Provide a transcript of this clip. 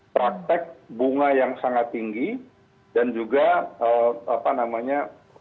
praktek bunga yang sangat tinggi dan juga apa namanya